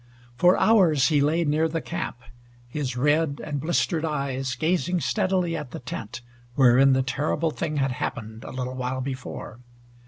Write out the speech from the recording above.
For hours he lay near the camp, his red and blistered eyes gazing steadily at the tent wherein the terrible thing had happened a little while before.